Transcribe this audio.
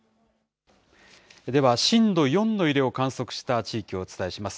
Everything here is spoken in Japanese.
では震度４の揺れを観測した地域をお伝えします。